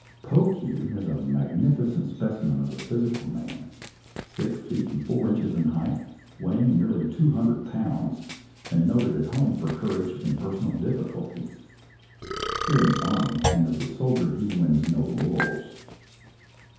Pokue is a magnificent specimen of the physical man — six feet and four inches in height, weighing nearly two hundred pounds — and noted at home for courage in personal difficulties. Here in the army and as a soldier he wins no laurels.